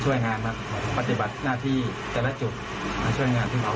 ช่วยงานครับปฏิบัติหน้าที่แต่ละจุดมาช่วยงานขึ้นมา